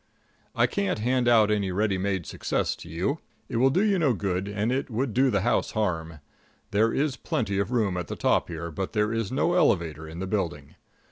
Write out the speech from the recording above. I can't hand out any ready made success to you. It would do you no good, and it would do the house harm. There is plenty of room at the top here, but there is no elevator in the building.